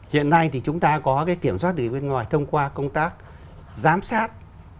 hiện nay thì chúng ta có cái kiểm soát từ bên ngoài thông qua công tác giám sát